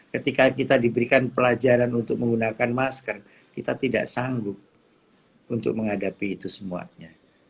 ketika kita diberikan pelajaran untuk menggunakan masker kita tidak sanggup untuk menghadapi itu semuanya